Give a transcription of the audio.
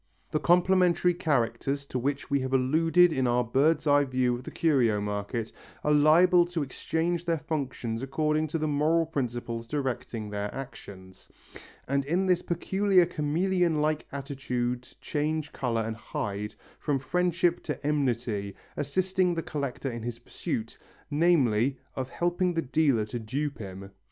The complementary characters to which we have alluded in our bird's eye view of the curio market are liable to exchange their functions according to the moral principles directing their actions, and in this peculiar chameleon like attitude change colour and hide, from friendship to enmity, assisting the collector in his pursuit, namely, of helping the dealer to dupe him.